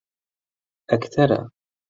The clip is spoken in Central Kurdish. ئەکتەرە.